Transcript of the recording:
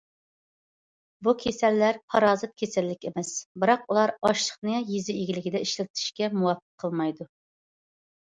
بۇ كېسەللىكلەر پارازىت كېسەللىك ئەمەس، بىراق ئۇلار ئاشلىقنى يېزا ئىگىلىكىدە ئىشلىتىشكە مۇۋاپىق قىلمايدۇ.